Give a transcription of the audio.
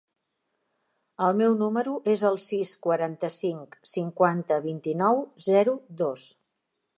El meu número es el sis, quaranta-cinc, cinquanta, vint-i-nou, zero, dos.